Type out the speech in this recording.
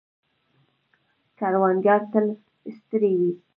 کروندگر تل ستړي وي.